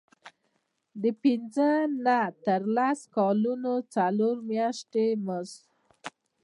د پنځه نه تر لس کلونو څلور میاشتې مزد.